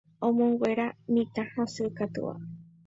omonguera mitã hasykatúvape